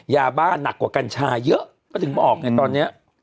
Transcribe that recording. ยาบ้านหนักกว่ากัญชาเยอะก็ถึงบอกไงตอนนี้